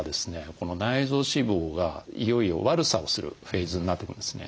この内臓脂肪がいよいよ悪さをするフェーズになってくるんですね。